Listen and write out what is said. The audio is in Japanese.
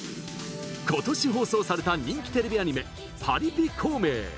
今年放送された人気テレビアニメ「パリピ孔明」。